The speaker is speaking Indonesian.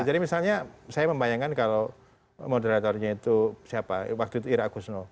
jadi misalnya saya membayangkan kalau moderatornya itu siapa waktu itu irak kusno